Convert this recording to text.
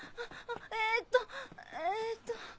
えっとえっと。